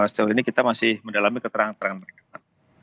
sejauh ini kita masih mendalami keterangan keterangan mereka pak